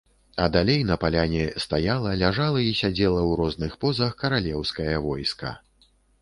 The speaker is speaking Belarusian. А далей на паляне стаяла, ляжала і сядзела ў розных позах каралеўскае войска.